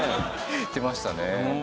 言ってましたね。